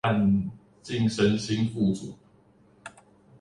晉身新富族